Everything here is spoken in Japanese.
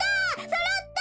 そろった！